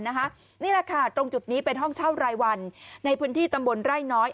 นี่แหละค่ะตรงจุดนี้เป็นห้องเช่ารายวันในพื้นที่ตำบลไร่น้อย